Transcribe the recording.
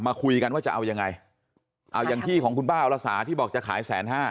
คุยกันว่าจะเอายังไงเอาอย่างที่ของคุณป้าอรสาที่บอกจะขายแสนห้า